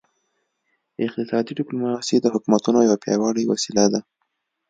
اقتصادي ډیپلوماسي د حکومتونو یوه پیاوړې وسیله ده